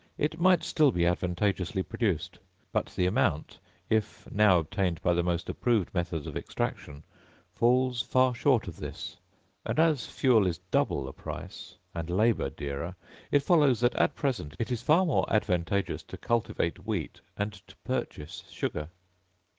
it might still be advantageously produced; but the amount, if now obtained by the most approved methods of extraction, falls far short of this; and as fuel is double the price, and labour dearer, it follows that, at present, it is far more advantageous to cultivate wheat and to purchase sugar.